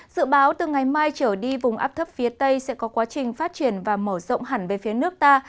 dự báo từ ngày mai trở đi vùng áp thấp phía tây sẽ có quá trình phát triển và mở rộng hẳn về phía nước ta